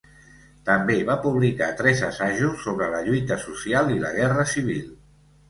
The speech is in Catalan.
També va publicar tres assajos sobre la lluita social i la guerra civil.